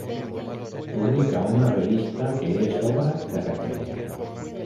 Publica una revista que es obra de referencia.